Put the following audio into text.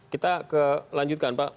kita lanjutkan pak